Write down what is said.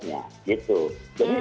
iya ada suratnya gitu